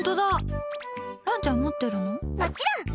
もちろん！